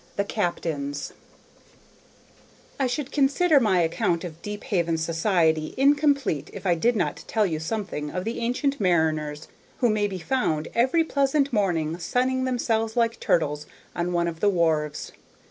The Captains I should consider my account of Deephaven society incomplete if I did not tell you something of the ancient mariners, who may be found every pleasant morning sunning themselves like turtles on one of the wharves.